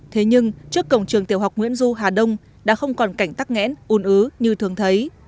thế nhưng trước cổng trường tiểu học nguyễn du hà đông đã không còn cảnh tắc nghẽn un ứ như thường thấy